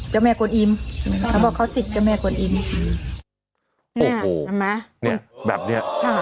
เจ้าแม่กวนอิ่มเขาบอกเขาสิทธิ์เจ้าแม่กวนอิ่มโอ้โหนี่แบบนี้อ่ะ